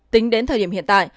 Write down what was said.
tính đến thời điểm hiện tại